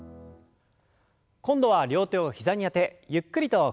今度は両手を膝にあてゆっくりと屈伸の運動です。